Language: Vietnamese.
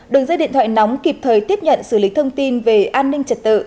đường dây điện thoại nóng kịp thời tiếp nhận xử lý thông tin về an ninh trật tự